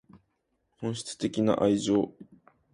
本質的な愛情